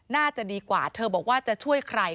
น่าจะดีกว่าเธอบอกว่าจะช่วยใคร